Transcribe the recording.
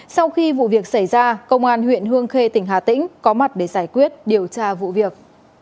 sau khi vụ việc xảy ra công an huyện hương khê tỉnh hà tĩnh có mặt để giải quyết điều tra vụ việc